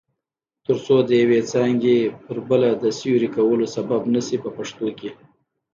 ترڅو د یوې څانګې پر بله د سیوري کولو سبب نشي په پښتو کې.